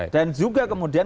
dan juga kemudian